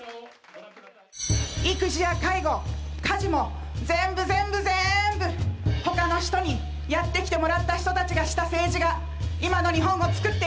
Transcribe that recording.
育児や介護家事も全部全部ぜーんぶ他の人にやってきてもらった人たちがした政治が今の日本をつくっている。